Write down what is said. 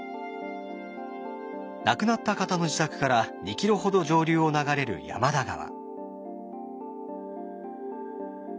亡くなった方の自宅から２ｋｍほど上流を流れる山田川。